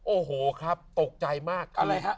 โอ้โหครับตกใจมาก